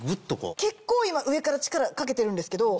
結構今上から力かけてるんですけど。